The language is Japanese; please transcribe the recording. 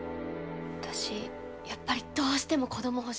私やっぱりどうしても子ども欲しい。